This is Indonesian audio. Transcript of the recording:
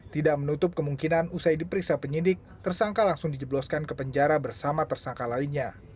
tidak menutup kemungkinan usai diperiksa penyidik tersangka langsung dijebloskan ke penjara bersama tersangka lainnya